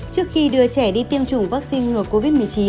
trước khi đưa trẻ đi tiêm chủng vaccine ngừa covid một mươi chín